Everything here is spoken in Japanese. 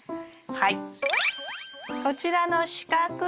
はい。